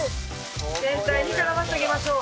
全体に絡ませてあげましょう。